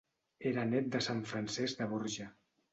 Era nét de Sant Francesc de Borja.